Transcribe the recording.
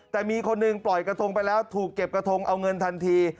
แต่มีคนหนึ่งปล่อยกระทงไปแล้วถูกเก็บกระทงเอาเงินทันที